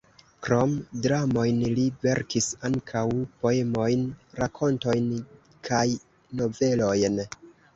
Krom dramojn li verkis ankaŭ poemojn, rakontojn kaj novelojn.